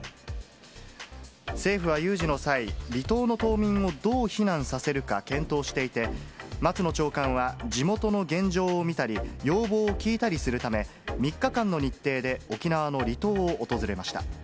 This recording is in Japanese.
政府は有事の際、離島の島民をどう避難させるか検討していて、松野長官は、地元の現状を見たり、要望を聞いたりするため、３日間の日程で沖縄の離島を訪れました。